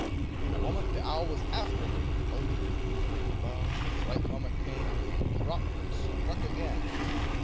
In a moment the owl was after her, floating, hovering above, till the right moment came, when he dropped and struck again.